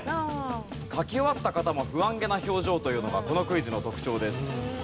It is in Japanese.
書き終わった方も不安げな表情というのがこのクイズの特徴です。